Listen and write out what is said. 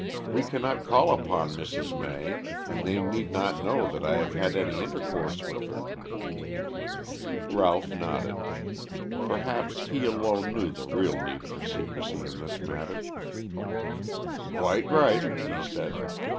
We cannot call upon Mrs. May and they need not know that I have had any intercourse with her." Ralph nodded. Perhaps he alone knew the real need for secrecy in this matter. "Quite right," he said.